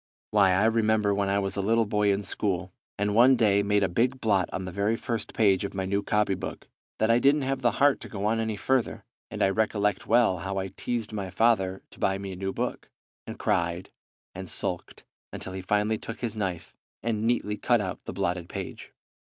"Why, I remember when I was a little boy in school, and one day made a big blot on the very first page of my new copybook, that I didn't have the heart to go on any further, and I recollect well how I teased my father to buy me a new book, and cried and sulked until he finally took his knife and neatly cut out the blotted page.